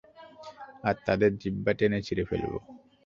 আর তাদের জিহ্বা টেনে ছিঁড়ে ফেলবো!